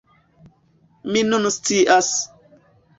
Mi nun scias!